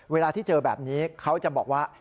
เวลาที่เจอแบบนี้เขาจะบอกว่า